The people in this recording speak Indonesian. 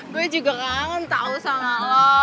gue juga kangen tau sama lo